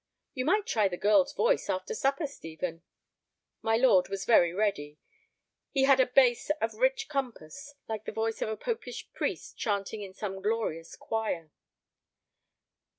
"You might try the girl's voice after supper, Stephen." My lord was very ready. He had a bass of rich compass, like the voice of a popish priest chanting in some glorious choir.